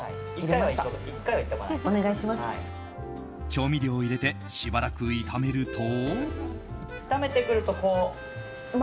調味料を入れてしばらく炒めると。